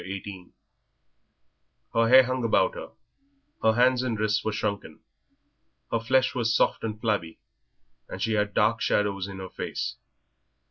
XVIII Her hair hung about her, her hands and wrists were shrunken, her flesh was soft and flabby, and she had dark shadows in her face.